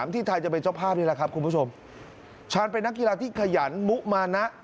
ที่ไทยจะเป็นเจ้าภาพนี่แหละครับคุณผู้ชมชาญเป็นนักกีฬาที่ขยันมุมานะ